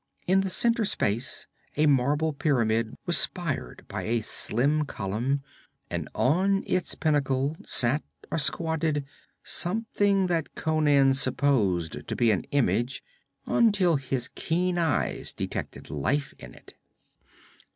In the center space a marble pyramid was spired by a slim column, and on its pinnacle sat or squatted something that Conan supposed to be an image until his keen eyes detected life in it.